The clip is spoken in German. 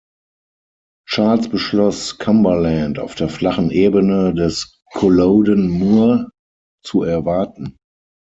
Charles beschloss, Cumberland auf der flachen Ebene des "Culloden Muir" zu erwarten.